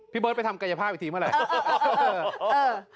พี่เบิ้ดไปทำกัญหภาพอีกทีเมื่อไหร่